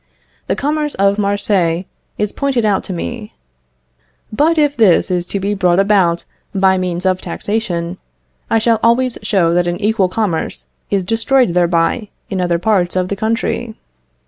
The commerce of Marseilles is pointed out to me; but if this is to be brought about by means of taxation, I shall always show that an equal commerce is destroyed thereby in other parts of the country.